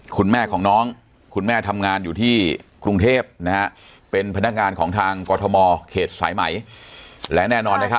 คุณแม่ของน้องคุณแม่ทำงานอยู่ที่กรุงเทพนะฮะเป็นพนักงานของทางกรทมเขตสายไหมและแน่นอนนะครับ